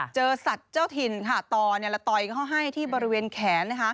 เจอสัตว์เจ้าถิ่นค่ะต่อแล้วต่อยเขาให้ที่บริเวณแขนนะคะ